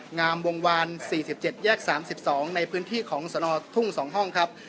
งามวงวานสี่สิบเจ็ดแยกสามสิบสองในพื้นที่ของสนอทุ่งสองห้องครับ